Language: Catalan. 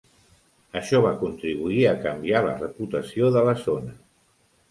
Això va contribuir a canviar la reputació de la zona.